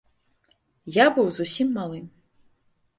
Я быў зусім малы.